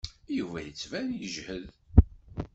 Yuba yettban yeǧhed.